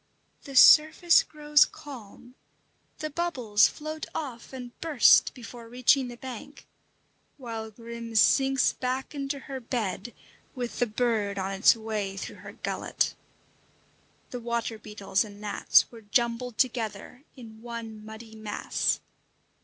The surface grows calm, the bubbles float off and burst before reaching the bank, while Grim sinks back into her bed with the bird on its way through her gullet. The water beetles and gnats were jumbled together in one muddy mass.